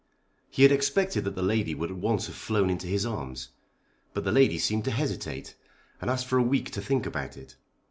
He had expected that the lady would at once have flown into his arms. But the lady seemed to hesitate, and asked for a week to think about it.